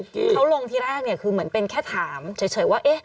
เขาลงที่แรกคือเหมือนเป็นแค่ถามเฉยว่า